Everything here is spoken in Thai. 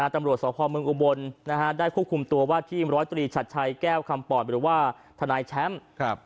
ตำรวจสพเมืองอุบลได้ควบคุมตัวว่าทีมร้อยตรีชัดชัยแก้วคำปอดหรือว่าทนายแชมป์